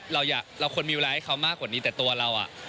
เราควรมิวไลค์ให้เขามากกว่านี้แต่ตัวเราอ่ะ